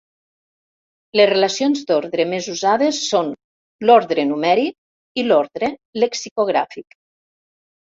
Les relacions d'ordre més usades són l'ordre numèric i l'ordre lexicogràfic.